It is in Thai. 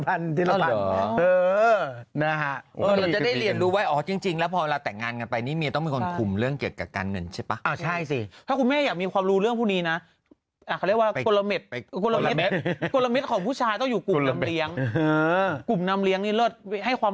อ้าวเอาโอเคไปอีกเรื่องหนึ่งเอาเรื่องไหนอังเจรนานะอ่ะเชิญเชิญ